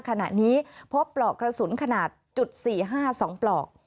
ขณะนี้พบปลอกกระสุนขนาดจุดสี่ห้าสองปลอก